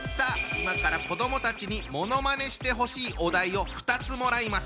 今から子どもたちにものまねしてほしいお題を２つもらいます。